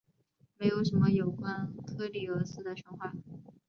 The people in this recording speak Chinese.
没有什么有关克利俄斯的神话。